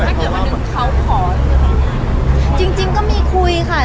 แต่ถ้าวันหนึ่งเขาขอหรือเขาจริงจริงก็มีคุยค่ะ